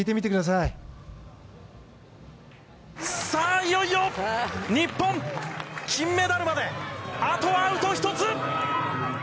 いよいよ、日本金メダルまでアウト１つ。